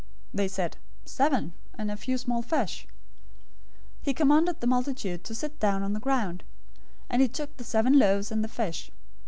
They said, "Seven, and a few small fish." 015:035 He commanded the multitude to sit down on the ground; 015:036 and he took the seven loaves and the fish.